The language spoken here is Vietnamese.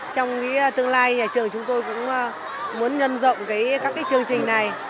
trong tương lai nhà trường chúng tôi cũng muốn nhân rộng các chương trình này